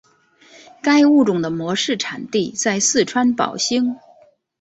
该物种的模式产地在四川宝兴。